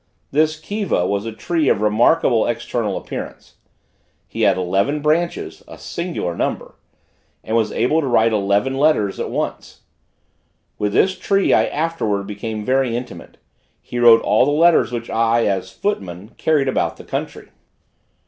This Kiva was a tree of remarkable external appearance; he had eleven branches a singular number and was able to write eleven letters at once. With this tree I afterwards became very intimate; he wrote all the letters which I, as footman, carried about the country.